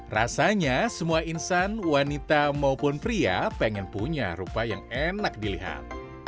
rasanya semua insan wanita maupun pria pengen punya rupa yang enak dilihat